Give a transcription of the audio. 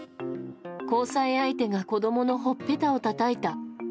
交際相手が子供の頬っぺたをたたいた。